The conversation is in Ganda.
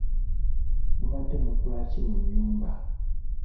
Mubadde mukula ki mu nnyumba?